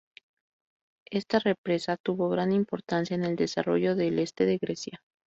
Esta represa tuvo gran importancia en el desarrollo del este de Grecia.